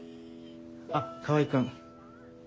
あっ川合君。